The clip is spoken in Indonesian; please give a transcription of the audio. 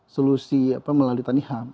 solusi melalui taniham